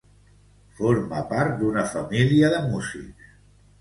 Forma part d'una família de músics.